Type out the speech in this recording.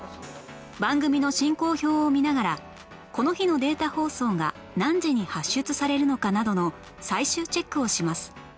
番組の進行表を見ながらこの日のデータ放送が何時に発出されるのかなどの最終チェックをします